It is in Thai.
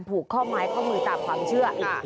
ผูกข้อไม้ข้อมือตามความเชื่อ